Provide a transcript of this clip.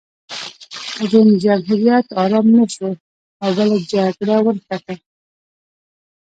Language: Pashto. روم جمهوریت ارام نه شو او بله جګړه ونښته